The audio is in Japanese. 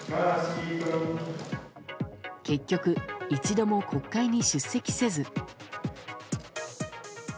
結局、一度も国会に出席せず。